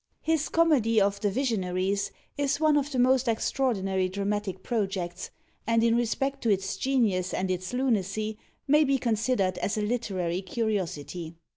His comedy of "The Visionaries" is one of the most extraordinary dramatic projects, and, in respect to its genius and its lunacy, may be considered as a literary curiosity.